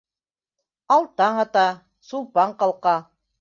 Ал таң ата, Сулпан ҡалҡа